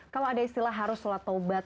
kalau ada istilah harus sholat taubat